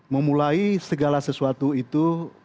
memulai segala sesuatu itu